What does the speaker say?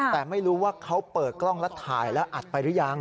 แต่ไม่รู้ว่าเขาเปิดกล้องแล้วถ่ายแล้วอัดไปหรือยัง